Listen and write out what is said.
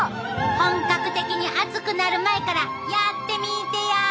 本格的に暑くなる前からやってみてや！